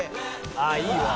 「ああいいわ！」